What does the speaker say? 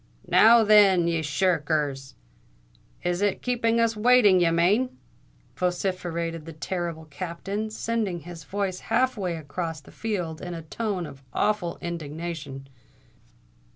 "Now, then, ye shir rkers! is it keeping us waiting ye mane?" vociferated the terrible Captain, sending his voice half way across a field in a tone of awful indignation.